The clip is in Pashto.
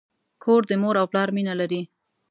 کور د مور او پلار مینه لري.